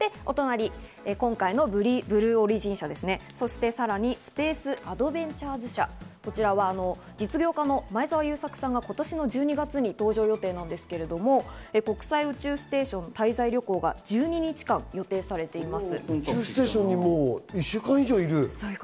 今回のブルーオリジン社、さらにスペース・アドベンチャーズ社、こちらは実業家の前澤友作さんが今年の１２月に搭乗予定ですが、国際宇宙ステーション滞在旅行が１２日間、予定されています。